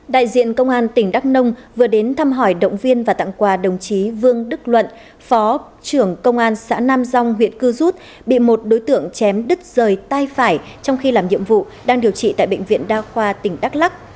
đại diện công an tỉnh đắk nông vừa đến thăm hỏi động viên và tặng quà đồng chí vương đức luận phó trưởng công an xã nam rong huyện cư rút bị một đối tượng chém đứt rời tay phải trong khi làm nhiệm vụ đang điều trị tại bệnh viện đa khoa tỉnh đắk lắc